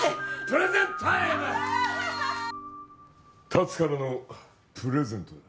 龍からのプレゼントだ。